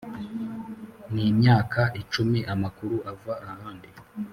N imyaka icumi amakuru ava ahandi